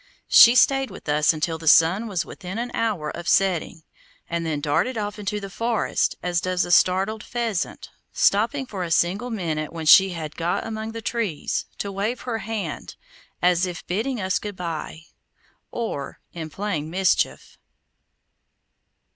She stayed with us until the sun was within an hour of setting, and then darted off into the forest as does a startled pheasant, stopping for a single minute when she had got among the trees, to wave her hand, as if bidding us goodbye, or in plain mischief.